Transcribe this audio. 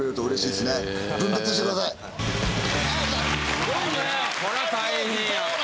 ・すごいね・これ大変やわ。